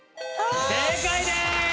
正解です！